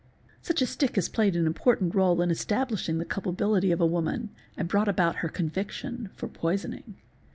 Such a stick has played an important réle in establishing the culpabi hty of a woman and brought about her conviction for poisoning.